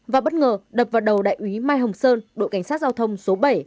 và bất ngờ đập vào đầu đại úy mai hồng sơn đội cảnh sát giao thông số bảy